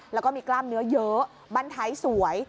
แล้วก็มีกล้ามเนื้อเยอะบ้านท้ายสวย